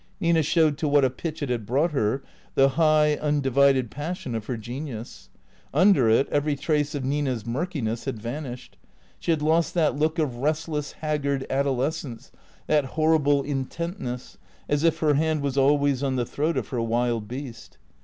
Nina showed to what a pitch it had brought her, the high, un divided passion of her genius. Under it every trace of Nina's murkiness had vanished. She had lost that look of restless, has gard adolescence, that horrible intentness, as if her hand was always on the throat of her wild beast.